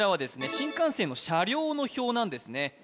新幹線の車両の表なんですね